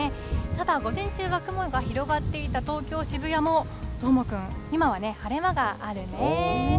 ただ、午前中は雲が広がっていた東京・渋谷も、どーもくん、今は晴れ間があるね。